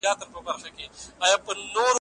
ولسمشره د دې کړۍ قیضه لږه را ټینګه کړه.